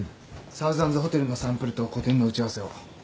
サウザンズホテルのサンプルと個展の打ち合わせを。